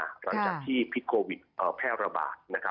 หลังจากที่พิษโควิดแพร่ระบาด